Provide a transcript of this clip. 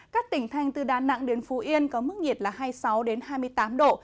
các tỉnh thành từ đà nẵng đến phú yên có mức nhiệt là hai mươi sáu hai mươi tám độ